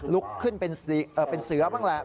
ลุกขึ้นเป็นเสือบ้างแหละ